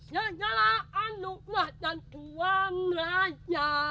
segala anugrah dan uang raja